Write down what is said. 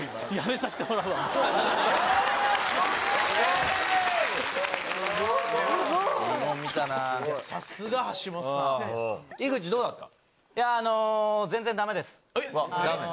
さすが橋本さん。